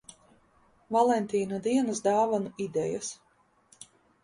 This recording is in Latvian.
Valentīna dienas dāvanu idejas.